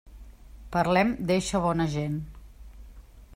Parlem d'eixa bona gent.